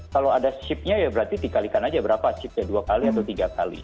kalau ada shipnya ya berarti dikalikan aja berapa chipnya dua kali atau tiga kali